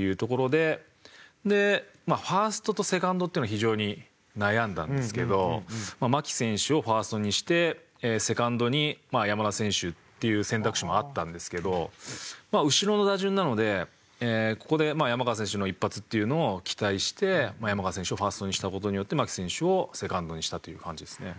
でファーストとセカンドっていうの非常に悩んだんですけど牧選手をファーストにしてセカンドに山川選手っていう選択肢もあったんですけど後ろの打順なのでここで山川選手の一発っていうのを期待して山川選手をファーストにした事によって牧選手をセカンドにしたという感じですね。